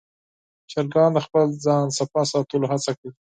چرګان د خپل ځان پاک ساتلو هڅه کوي.